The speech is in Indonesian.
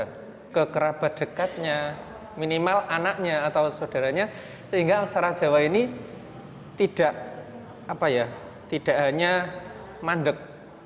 saya ke kerabat dekatnya minimal anaknya atau saudaranya sehingga aksara jawa ini tidak hanya mandek